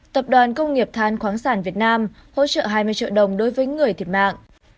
tập đoàn công nghiệp than khoáng sản việt nam hỗ trợ hai mươi triệu đồng đối với người thiệt mạng